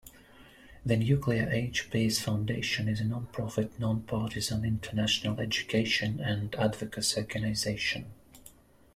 The Nuclear Age Peace Foundation is a non-profit, non-partisan international education and advocacy organization.